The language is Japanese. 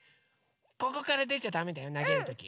ここからでちゃだめだよなげるとき。